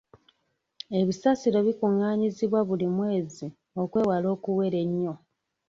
Ebisasiro bikungaanyizibwa buli mwezi okwewala okuwera ennyo.